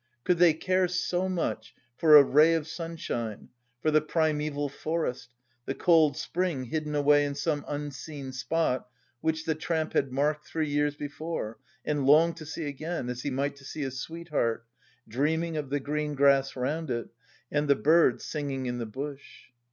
Could they care so much for a ray of sunshine, for the primeval forest, the cold spring hidden away in some unseen spot, which the tramp had marked three years before, and longed to see again, as he might to see his sweetheart, dreaming of the green grass round it and the bird singing in the bush?